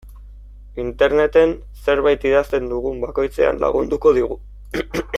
Interneten zerbait idazten dugun bakoitzean lagunduko digu.